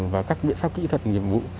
và các biện pháp kỹ thuật nghiệp vụ